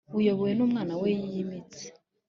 Buyobowe n Umwana we yimitse